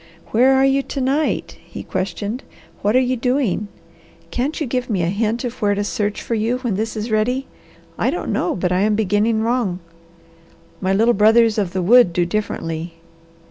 "Where are you to night?" he questioned. "What are you doing? Can't you give me a hint of where to search for you when this is ready? I don't know but I am beginning wrong. My little brothers of the wood do differently.